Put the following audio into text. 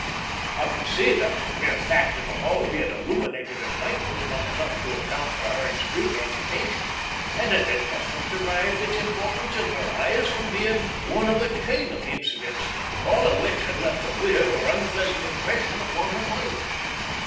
I could see that the mere fact of the Hall being illuminated at night was not enough to account for her extreme agitation, and that it must have derived its importance in her eyes from being one in a chain of incidents, all of which had left a weird or unpleasant impression upon her mind.